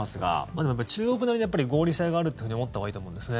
でも中国なりに合理性があるっていうふうに思ったほうがいいと思うんですね。